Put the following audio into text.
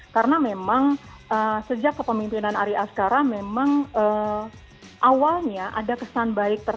karena memang sejak kepemimpinan ari askara memang awalnya ada kesan baik